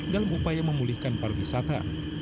dalam upaya memulihkan pariwisata